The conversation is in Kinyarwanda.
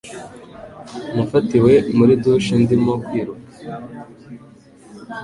Nafatiwe muri douche ndimo kwiruka.